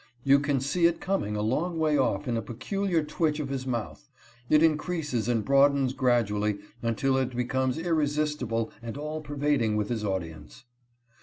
You can see it coming a long way off in a peculiar twitch of his mouth. It increases and broadens gradually until it becomes irresistible and all pervading with his audience.